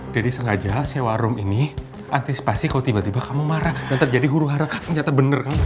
daddy sengaja sewa room ini antisipasi kalau tiba tiba kamu marah dan terjadi huru hara ternyata bener kan